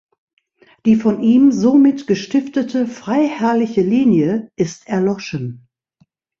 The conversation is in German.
Die von ihm somit gestiftete freiherrliche Linie ist erloschen.